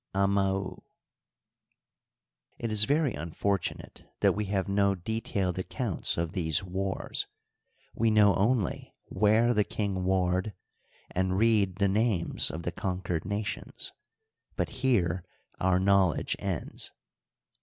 Amau, It is very unfortunate that we have no detailed accounts of these wars ; we know only where the king warred, and read the names of the conquered nations, but here our knowledge ends.